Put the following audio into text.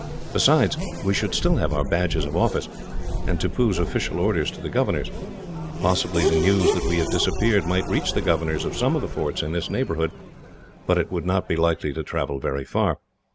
Besides, we should still have our badges of office, and Tippoo's official orders to the governors. Possibly, the news that we had disappeared might reach the governors of some of the forts in this neighbourhood, but it would not be likely to travel very far.